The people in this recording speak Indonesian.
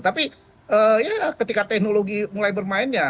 tapi ya ketika teknologi mulai bermain ya